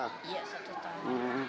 iya satu setengah